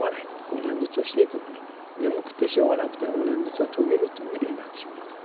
「お念仏をしていても眠くてしょうがなくてお念仏が途切れ途切れになってしまう」と。